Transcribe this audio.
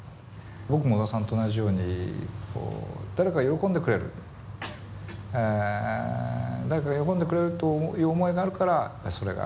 僕も小田さんと同じように誰か喜んでくれる誰か喜んでくれるという思いがあるからそれが書く時の動機になって。